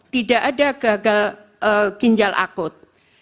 tidak ada gagal kinjal akun